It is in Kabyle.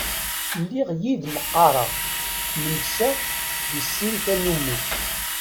Lliɣ yid-m qqareɣ, nemseɣ di sin tannumi.